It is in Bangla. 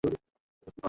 চিন্তা করিও না বাবা।